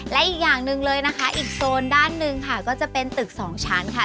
และอีกอย่างหนึ่งเลยนะคะอีกโซนด้านหนึ่งค่ะก็จะเป็นตึกสองชั้นค่ะ